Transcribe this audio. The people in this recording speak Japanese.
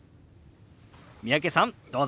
三宅さんどうぞ。